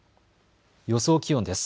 予想気温です。